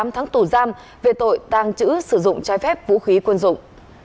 một mươi tám tháng tù giam về tội tàng trữ sử dụng trái phép vũ khí quân dụng